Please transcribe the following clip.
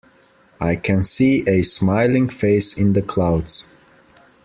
I can see a smiling face in the clouds.